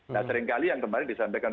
nah sering kali yang kemarin disampaikan